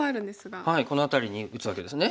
この辺りに打つわけですね。